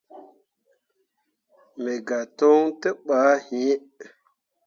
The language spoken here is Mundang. Me gah toŋ te bah he.